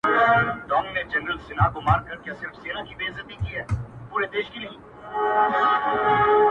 څوك به ليكي دېوانونه د غزلو-